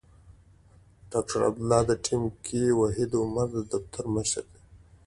د ډاکټر عبدالله په ټیم کې وحید عمر د دفتر مشر دی.